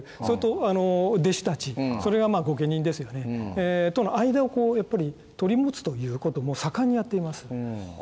それと弟子たちそれが御家人ですよね。との間をこうやっぱり取り持つということも盛んにやっています。